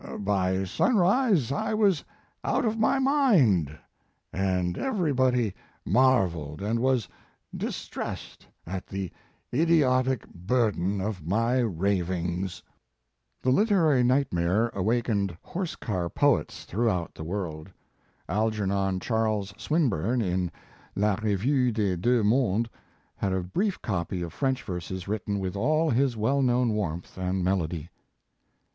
By sunrise I was out of my mind, and everybody marvelled and was distressed at the idiotic burden of my ravings. " Tlie Literary Nightmare awakened horse car poets throughout the world. Algernon Charles Swinburne in La Revue des Duex Mondes, had a brief copy of French verses, written with all his well known warmth and melody.